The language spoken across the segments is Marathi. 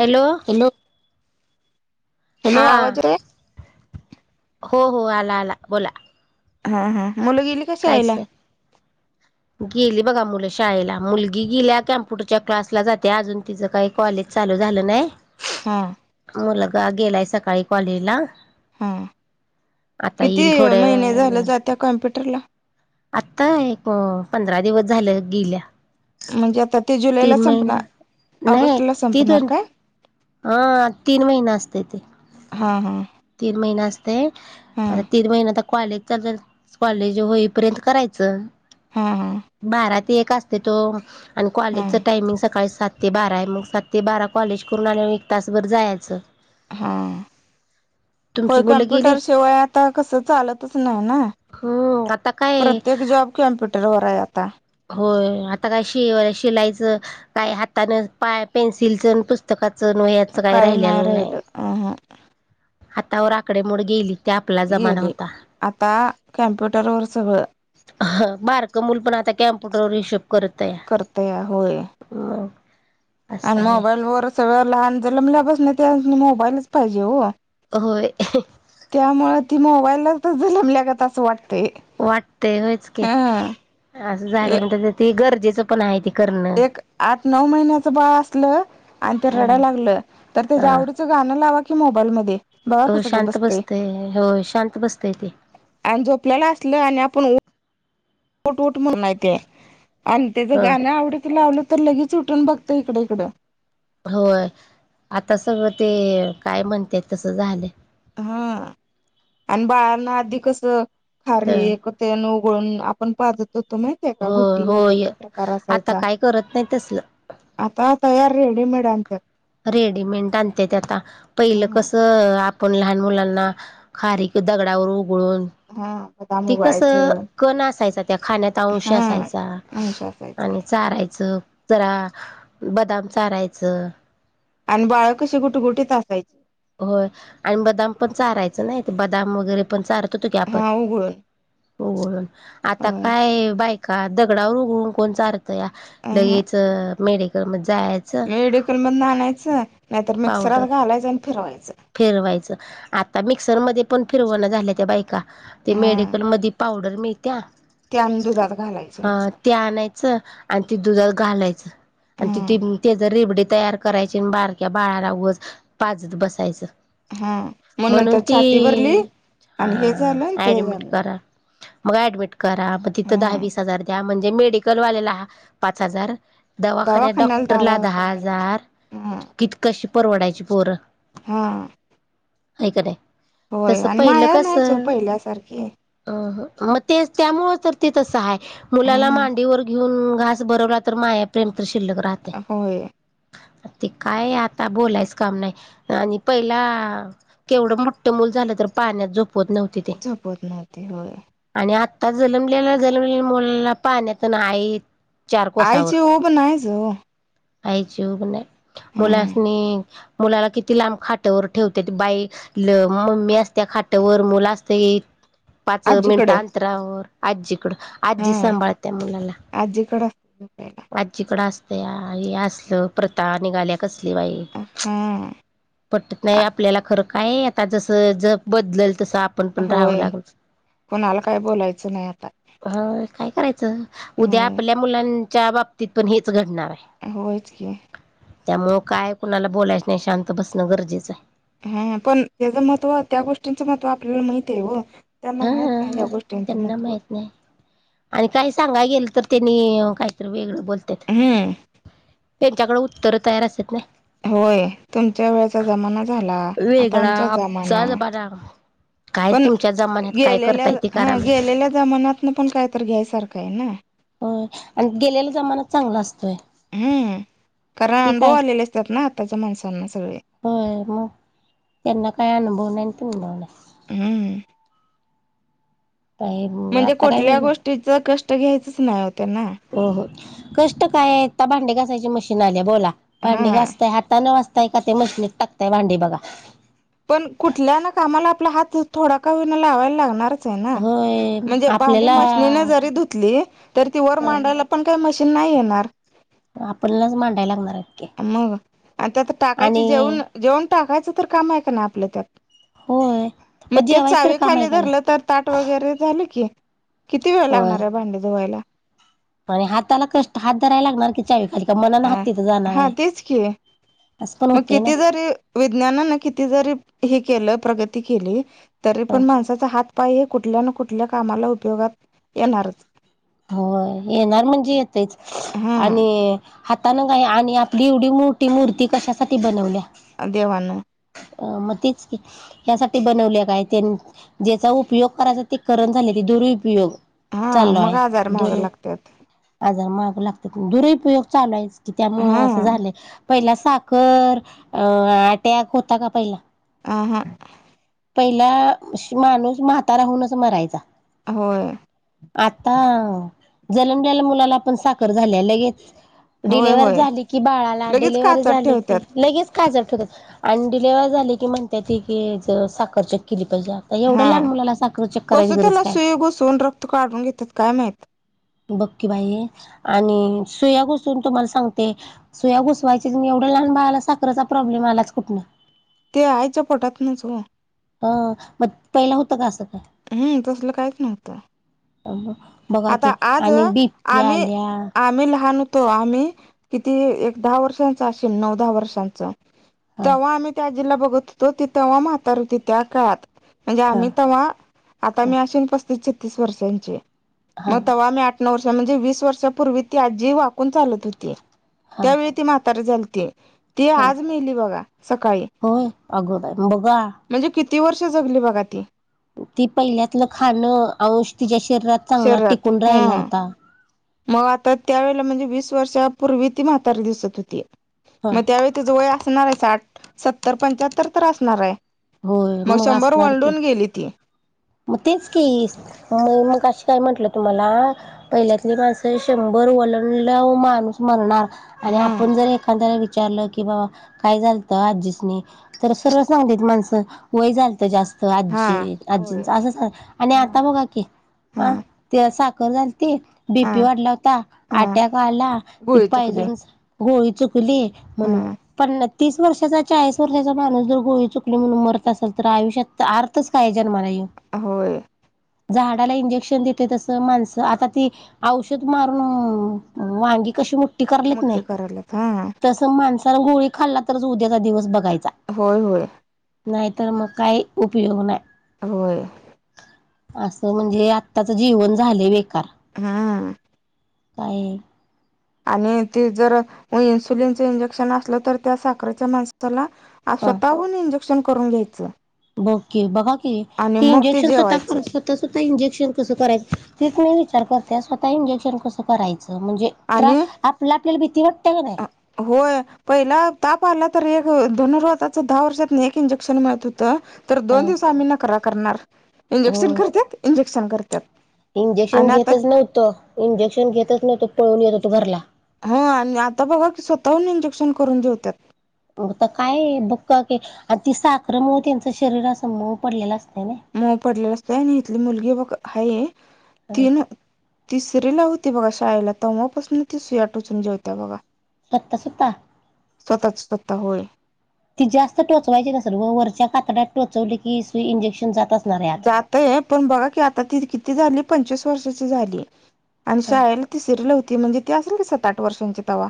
हॅलो हॅलो हॅलो हा आवांज येतं आहे हो हो आंला आंला बोलां हां हां मुलं गेली कायंच ह ह [unintelligible] गेली बघां मुलं शाळेला मुलगी गेल्यां कॅम्प्युटरच्या क्लासला जाते अजूंन तिचं कायं कॉलेज चालूं झालं नाहीं हां मुलंगा गेलां आहे सकाळीं कॉलेज लां हा आंता येईल थोड्यां वेळानं त्यां कम्प्युटरला. आंत्ता एक पंधरा दिवसं झालं गेल्यां. म्हणजे आता ते जुलैला संपणार ऑगस्टला संपणार का. अ तीन महिना असतेय ते. हा हा, तीन महिना असते हा आता तीन महिना तक ''--'' कॉलेजचा जर कॉलेज होईपर्यंत करायचं. हा हा, बारा ते एक असते तो आणि हा कॉलेजचा टायमिंग सकाळी सात. सात ते बारा आहे मग सात ते बारा कॉलेज करून आल्यावर एक तासभर जायचं. हा होय तुमची मुलं गेली कम्प्युटर शिवाय आता कसं चालतच नाही ना. आता काय. एक जॉब कम्प्यूटरवर आहे आता. होय आता काय शि व शिलायचं. काही हातान पा पेन्सिलच पुस्तकाचं व''--'' च काय राहिलेलं नाही. हातावर आकडे मोड गेली ते आपला जमाना गेले होता. आता कम्प्युटरवर सगळं. हं बारकं मुल पण आता कॅम्प्युटरवर हिशेब करत आहे. करतया होय. मग. आणि मोबाईल वर सगळं लहान जन्मल्यापासून त्यास्नी मोबाईलच पाहिजे हो. होय. त्यामुळे ती मोबाईललाच जलमल्यागत असं वाटतेय. वाटतेय होयच की असं झालं म्हण त गरजेचं पण आहे ते करणं. एक आठ नऊ महिन्याच बाळ असलं. आणि ते रडाय लागलं तर हा त्याच्या आवडीचं गाणं लावा की मोबाईल मध्ये. हो शांत बसतय हो शांत बसतय ते. आणि झोपल्याला असल आणि आपण उठ''--'' उठ उठ म्हणून हाय ते आणि त्याच ह गाण आवडच लावलं. तर लगेच उठून बघत इकड इकडं. होय आता सगळं ते काय म्हणतेय तसं झालं. हा आणि बाळाना आधी कस खार तर हे. तेन उघळून आपण पाजत होतो नाय. ते का हो गुट्टी वगैरे होय प्रकार आता असायचा. काय करत नाही तसल आता तयार रेडीमेड आणत्यात. रेडीमेंट आणते त्या आता पहिलं हा कसं आप ''--'' पण लहान मुलांना खारीक दगडावर उघळून. हा बदाम ती कस उगाळायचं कणा असायचा त्या खाण्यातचा अंश हा असायचा. अंश असायचा आणि चारायचं जरा बदाम चारायचं. आणि बाळ कशी कुटगुटीत असायची. होय आणि बदाम पण चारायचं नाही ते बदाम वगैरे पण चारत होतो की आपण. हा उघळून उघळून आता होय काय बायका दगडावर उघडून कोण चार. तया अ ह लगेच मेडिकल जाया ''--'' मेडिकल मदन आणायचं नाहीतर पावडर मिक्सरात घालायचं आणि फिरवायचं. फिरवायचं आता मिक्सरमध्ये पण फिरवणं झाल्या त्या बायका ते हा मेडिकलमध्ये. पावडर मिळत्या. ते आणं दुधात घालायचं अ नुसतं ते आणायचं आणि ते दुधात घालायचं आणि ती हा ते त्याज रेबडी तयार करायची अनं बारक्या बाळाला उगच देत बसायचं हा मग म्हणून नंतर ती छाती भरली आणि हे झालं आणि हा ते ऍडमिट झालं करा मग ऍडमिट करा म तिथं दहा हा वीस हजार द्या म्ह ते मेडिकल वालेला पाच हजार दवाखान्यात दवाखान्याला डॉक्टरला दहा पंधरा हजार हा कित कशी परवडायची पोर हा हाय का ते होय तसं आणि पहिलं माया कस नाहीच ओ अहं पहिल्यासारखी म तेचं त्यामुळच तर ते तसं हाय हा मुलाला मांडीवर घेऊन घास भरवला तर माया प्रेम तर शिल्लक राहत आ होय. ते काय आता बोलायच काम नाय. आणि पहिला केवढं मोठ्ठ मूल झालं तर पाळण्यात झोपवत नव्ह झोपवत नव्हती होय. आणि आत्ता जन्मलेला जन्मलेल्या मुलाला पाळण्या तेनं हाईत चार कोसावर आईची ऊब नाहीच ओ आईची ऊब नाय हम्म मुलास्नी मुलाला कित किती लांब खाटवर ठेवते ती बाई ल मम्मी असत्या खाटवर मुलं असतय पाच मिनिटं आजीकडं अंतरावर आजीकडं आजी हा सांभाळते मुलाला आजीकडे असते झोपायला आजीकड अस ते हा हे असल प्रथा निघाल्या कसली बाई हम्म पटत नाय आपल्याला खरं काय, आता जस जग बदलल तस आप होय कोणाला काय बोलायचं नाय आता होय काय करायचं उद्या होय आपल्या मुलांच्या बाबतीत पण हेच घडणार हाय. होयच की त्यामुळ काय कुणाला बोलायचं नाय शांत बसणं गरजेचं हाय. हया हया पण त्याचं महत्व त्या गोष्टींचं महत्व आपल्या माहिती हाय हो त्यांना हा माहित नाही या गोष्टींचं त्यांना महत्त्व माहित नाय. आणि काय सांगाय गेल तर त्यांनी कायतरी वेगळं बोलत्यात हम्म त्यांच्याकड उत्तर तयार असतात नाय होय तुमच्या वेळेचा जमाना झाला आता आमचा जमानं [unintelligible] बरा व्हा काय तुमच्या जमा गेलेल्या हा गेलेल्या जमान्यातन पण कायतर घ्यायसारखं हाय न हो आणि गेलेला जमानाचं चांगला असतोय. हम्म कारण हे अनुभव काय आलेले असत्यात ना आताच्या माणसांना सगळे होय म त्यांना काय अनुभव नाय अनं तुमबव नाय हम्म काय म्हणजे आता काय कुठल्या वेगळं गोष्टीच कष्ट घ्यायचच नाय हो त्यांना हो हो कष्ट काय आता भांडी घासायची मशीन आल्या बोला भांडी हा घासतय हातान हाय का ते मशिनीत टाकतय भांडी बघा पण कुठल्या ना कामाला आपला हात थोडा का होईना लावायला लागणार च ना होय म्हणजे भांडी आपल्याला मशीन जरी धुतले तर ती वर मांडायला. आपण काही मशीन नाही येणार. आपणलाच मांडायला लागणार आहे. मग आणि त्यात टाकायची जेवण जेवण टाकायचं तर काम आहे का ना आपल्या त्यात. होय. मग पण ते जेवायच तर चावी काम आहे खाली का नाही धरलं तर ताट वगैरे झालं की. किती वेळ होय लागणार आहे भांडी धुवायला. आणि हाताला कष्ट हात धरायला लागणार की चावीखा ली का मनाने हात अ तिथं जाणार हा आहे. तेच की असं पण मग होतय ना किती जरी विज्ञानान किती जरी हे केलं प्रगती केली. तरी ह पण माणसाचा हात पाय हे कुठल्या ना कुठल्या कामाला उपयोगात येणारच. हो येणार म्हणजे येतच हा आणि. हातानं काय आणि आपली एवढी मोठी मूर्ती कशासाठी बनवल्या. अ देवा ना. अ मग तिचं की. यासाठी बनवले काय त्यान ज्याचा उपयोग करायचा ते करण झाले ते दुरुपयोग. हा चाललो मग आहे आजार. महाग दुर लागतात आजार माग लागतात दुरपयोग चालू आहेच. कि हा त्यामुळं असं झालंय पहिला साखर अ अटॅक होता का पहिला. आ हा, पहिला माणूस म्हातारा हूनच मरायचा. होय. आता अ जन्मलेल्या मुलाला पण साखर झाल्या लगेच. होय डिलेवरी होय झाली की बाळाला लगेच डिलवरी काचात झाली ठेवतात की लगेच. काय झालतं ग आणि डिलेवर झाली की म्हणत्यात ती की ज साखर चेक केली पाहिजे. तर एवढ्या हा लहान मुलाला साखर चेक करायची कसं गरज त्याला काय. सुई घुसवून रक''--'' क्त काढून घेतात काय माहीत. बकी बाई आणि सुया घुसून तुम्हाला सांगते. सुया घुसवायच्या एवढ्या लहान बाळाला साखरेचा प्रॉब्लेम आलाच कुठन. त्यो आईच्यां पोटातनच ओ. अ मग पहिला होतं का असं काय. हम्म तसल काहीच नव्हतं. बघा आता की आज आणि बीपी आम्ही आल्या आम्ही लहान हो''--'' तो आम्ही किती एक दहा वर्षांचा असल नऊ दहा वर्षांच हा तेव्हा आम्ही. त्या अजीला बघत होतो ते तेव्हा म्हातारी होती त्या काळात म्हणजे हा आम्ही तेव्हा. आता हा मी असीन पस्तीस छत्तीस वर्षांची हा मग तेव्हा मी आठ. नऊ वर्ष म्हणजे वीस वर्षापूर्वी ती आजी वाकून चालत होती हा त्यावेळी ती म्हातारी झालती. ती हा आज मेली बघा सकाळी. होय अगो बाई बघा म्हणजे किती वर्ष जगली बघा ती. ती पहिल्यातलं खाणं अंश तिच्या शरीरात चांगला शरीरात टिकून हा राहिला होता. मग आता त्यावेळेला म्हणजे वीस वर्षापूर्वी ती म्हातारी दिसत होती हा मग त्यावेळी. तिच वय असणार आहे साठ-सत्तर-पंच्याहत्तर तर असणार आहे. होय मग शंभर असणार की वलडुन गेली ती. मग तेच की म मग काय म्हंटलं तुम्हाला. पहिल्यातली माणसं शंभर वलडल्यावर माणूस मरणार आणि हम्म आपण जर एखाद्या वे''--'' विचारलं की बाबा काय झालतं आजीसनी तर सरळ सांगतात माणसं वय झालतं जास्त हा अजी होय अजींच असंच आहे आणि आता बघा की ह हा ते साखर झालीती हा बीपी वाढला होता हा ॲटक आला ते गोळी चुकली पाहिजेलच गोळी चुकली म्हणून हा पण तीस वर्षाचा चाळीस वर्षाचा माणूस जर गोळी चुकली म्हणून मरत असेल तर आयुष्यात अर्थच काय जन्माला येऊन. होय झाडाला इंजेक्शन देण्यात तसं माणसं आता ती औषध मारून वांगी कशी मु मोठी करालेत नाही मोठी करायल्यात हा तस माणसान गोळी खाल्ला तरच उद्याचा दिवस बघायचा. होय होय नाहीतर मग काही उपयोग नाही. होय असं म्हणजे आत्ताचं जीवन झालंय बेकार. हा काही आणि ते जर इन्सुलिनच इंजेक्शन असलं तर त्या साखरेच्या माणसाला आ स्वतःहून इंजेक्शन करून घ्यायचं. बोके बघा की आणि ती मग ते इंजेक्शन स्वतः जेवायचं कर स्वतः इंजेक्शन कसं कराय तेच मी विचार करते स्वतः इंजेक्शन कसं करायचं म्हणजे तर आणि आपला आपल्याला भीती वाटते का नाय? होय. पहिला ताप आला तर एक धनुर्वातच दहा वर्षात एक इंजेक्शन माहित होत. तर दोन दिवस आम्ही नकरा करणार इंजेक्शन करत्यात इंजेक्शन करतात. इंजेक्शन आणि आता घेतच नव्हतो इंजेक्शन घेतच नव्हतं पळून येत होतो घरला. हा आणि आता बघा की स्वतःहून इंजेक्शन करून घेतात. मगता काय बघ आणि ती साखरं म त्यांच शरीरा अस म पडलेला असते नाय. मो पडलेलं असत आणि इथली मुलगी बघ आहे तीन तिसरी ला होती बघा शाळेला तव्हापासून ती सुयाट उचून जेवत्या बघा. सत सुता स्वतःच स्वतः होय. ती जास्त टोचवायची न सर वरच्या कातडात टोचवली की इंजेक्शन जात असणार आहे आत जातय पण बघा की आता ती किती झाली पंचवीस वर्षाची झाली. आणि शाळेला तीसरली होती म्हणजे ती असेल का सात आठ वर्षांची तवा.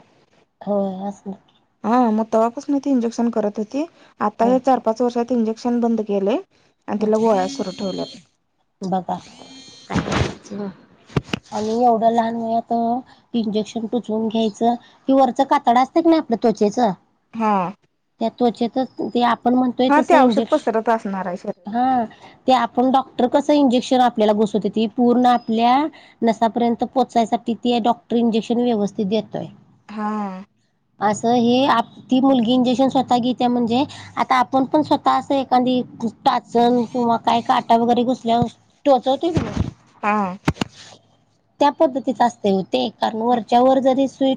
हो अस ना. हा मग तवापासन नाही त इंजेक्शन करत होती आता ह हे चार पाच वर्षात इंजेक्शन बंद केलेय. आणि तिला गोळ्या सुरू ठेवल्यात. बघा. आणि एवढं लहान मुलात इंजेक्शन टुचवून घ्यायचं कि वरचं कातड असतं क ना आपलं त्वचेचं हा त्या त्वचेतच ते आपण म्हणतोय हा ते तसं औषध पसरत असणार आहे इंजेक्शन शरीरात हा ते आपण डॉक्टर कसं इंजेक्शन आपल्याला घोसवते त पूर्ण आतल्या नसापर्यंत पोचायसाठी त डॉक्टर इंजेक्शन व्यवस्थित देतोय. हां असं हे आप ती मुलगी इंजेक्शन स्वंतः घेते आहे म्हणजे आंता आपणं पणं स्वंतः असं एखादी टांचन किंवा कायं कांटा वगैरें घुसल्यावरं टोचवते नां हां त्यां पद्धतीचा असते होते कारणं वरच्यां वरं जरी स्वीई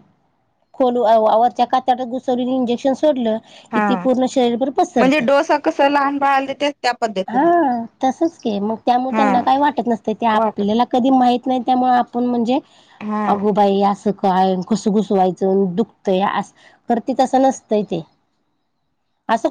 खोलूनवरंच्या कांत घुंसवली इंजेक्शन सोडलं किती ते हा पूर्ण शरीरभरं म्हणजे पसरते डोसा कस लहान बाळाला देत्यात त्या पद्धतीनं हां तसंच की मंग त्यांमुळे हा त्यांना कायं वाटत नसतं ते वाटत आपल्याला कधीं माहीत नाहीं त्यामुळें पणं म्हणजे हा अगंबाई असं कायं असं घुसवायचं दुखतंय असं करते तसं नसतंय ते असं कुठं